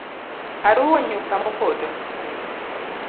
Aruwo nyuka mopoto